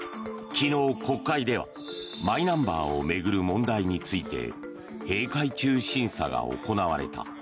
昨日、国会ではマイナンバーを巡る問題について閉会中審査が行われた。